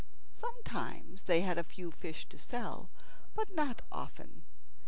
Sometimes they had a few fish to sell, but not often.